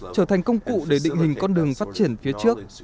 trở thành công cụ để định hình con đường phát triển phía trước